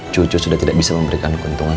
cucu sudah tidak bisa memberikan keuntungan